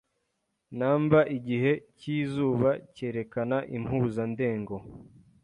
numberIgihe cyizuba cyerekana impuzandengo